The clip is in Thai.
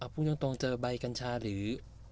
พูดตรงเจอใบกัญชาหรือ